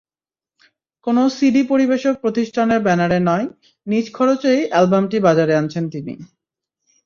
কোনো সিডি পরিবেশক প্রতিষ্ঠানের ব্যানারে নয়, নিজ খরচেই অ্যালবামটি বাজারে আনছেন তিনি।